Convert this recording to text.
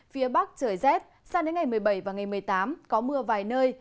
phía bắc trời rét sang đến ngày một mươi bảy và ngày một mươi tám có mưa vài nơi